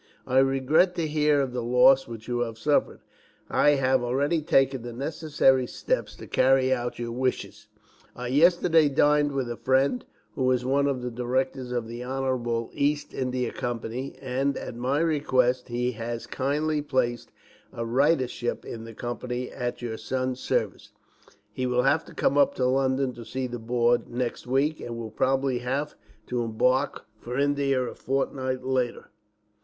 I regret to hear of the loss which you have suffered. I have already taken the necessary steps to carry out your wishes. I yesterday dined with a friend, who is one of the directors of the Honorable East India Company, and at my request he has kindly placed a writership in the Company at your son's service. He will have to come up to London to see the board, next week, and will probably have to embark for India a fortnight later.